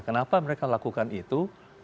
kenapa mereka lakukan itu